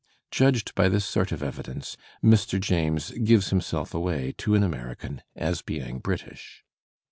Judged by this sort of evidence, Mr. James "gives himself away" to an American as being British.